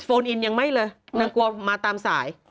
ให้โฟนอินยังไม่เลยนังกว่ามาตามสาย